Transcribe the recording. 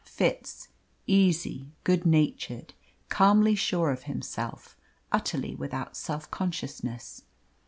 Fitz, easy, good natured, calmly sure of himself utterly without self consciousness.